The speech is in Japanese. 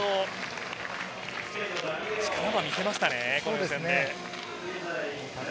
力は見せましたね。